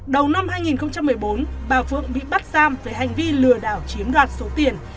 đầu năm hai nghìn một mươi bốn bà phượng bị bắt giam về hành vi lừa đảo chiếm đoạt số tiền